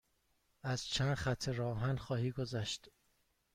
از چند خط راه آهن خواهی گذشت.